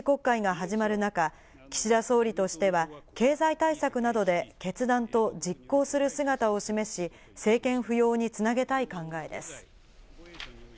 今週金曜から臨時国会が始まる中、岸田総理としては経済対策などで決断と実行する姿を示し、政権浮揚に繋げたい考えです。